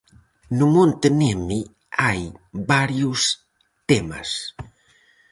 No Monte Neme hai varios temas.